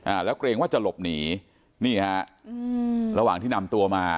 อ่าแล้วเกรงว่าจะหลบหนีนี่ฮะอืมระหว่างที่นำตัวมา